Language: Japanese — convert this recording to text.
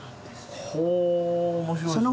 ほお面白いですね。